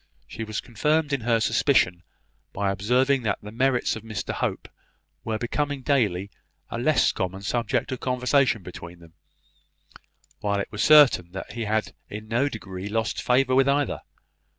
She was confirmed in her suspicion by observing that the merits of Mr Hope were becoming daily a less common subject of conversation between them, while it was certain that he had in no degree lost favour with either.